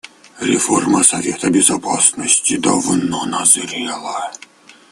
Реформа Совета Безопасности давно назрела.